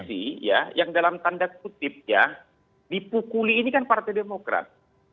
di satu sisi ya yang dalam tanda kutipnya dipukuli ini kan partai demokrat